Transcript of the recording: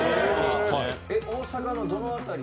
大阪のどの辺り？